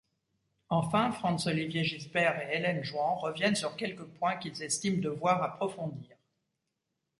Enfin, Franz-Olivier Giesbert et Hélène Jouan reviennent sur quelques points qu'ils estiment devoir approfondir.